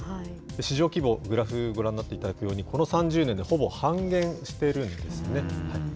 市場規模、グラフご覧になっていただくように、この３０年でほぼ半減してるんですね。